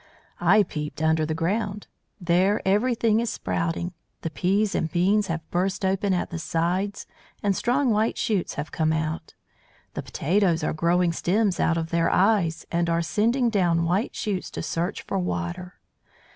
I peeped under the ground. There everything is sprouting. The peas and beans have burst open at the sides, and strong white shoots have come out. The potatoes are growing stems out of their eyes, and are sending down white roots to search for water.